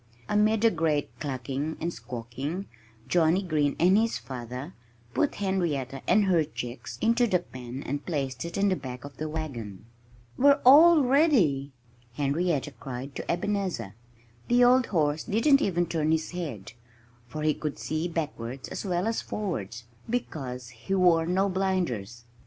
Amid a great clucking and squawking, Johnnie Green and his father put Henrietta and her chicks into the pen and placed it in the back of the wagon. "We're all ready!" Henrietta cried to Ebenezer. The old horse didn't even turn his head, for he could see backwards as well as forwards, because he wore no blinders.